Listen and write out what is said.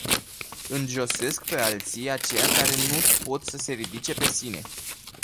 Înjosesc pe alții aceia care nu pot să se ridice pe sine.